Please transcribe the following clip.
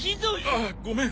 ああごめん。